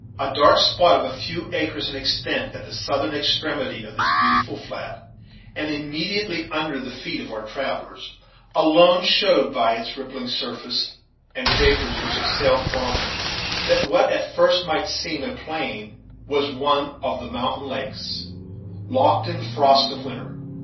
A dark spot of a few acres in extent at the southern extremity of this beautiful flat, and immediately under the feet of our travellers, alone showed by its rippling surface, and the vapors which exhaled from it, that what at first might seem a plain was one of the mountain lakes, locked in the frosts of winter.